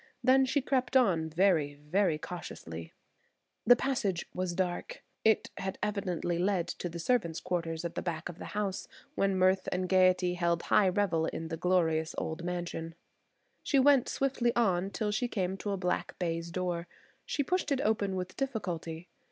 Then she crept on very, very cautiously. The passage was dark. It had evidently lead to the servants' quarters at the back of the house when mirth and gaiety held high revel in the glorious old mansion. She went swiftly on, till she came to a black baize door. She pushed it open with difficulty.